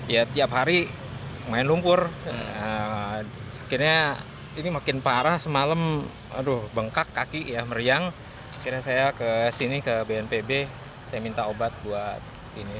ya tiap hari main lumpur akhirnya ini makin parah semalam aduh bengkak kaki ya meriang akhirnya saya ke sini ke bnpb saya minta obat buat ini